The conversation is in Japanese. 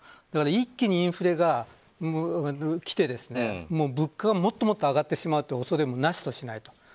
だから一気にインフレが来て物価がもっともっと上がってしまうという恐れもなしとしないと。